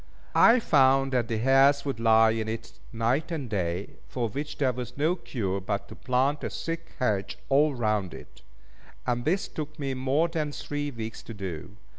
I found that the hares would lie in it night and day, for which there was no cure but to plant a thick hedge all round it; and this took me more than three weeks to do.